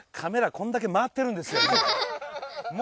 これだけ回ってるんですよ。